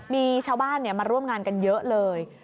มีชาวบ้านมาร่วมงานกันเยอะเลย